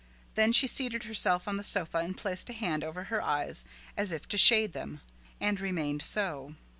Then she seated herself on the sofa and placed a hand over her eyes as if to shade them, and remained so.